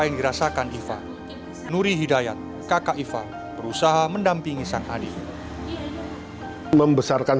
yang dirasakan iva nuri hidayat kakak iva berusaha mendampingi sang adik membesarkan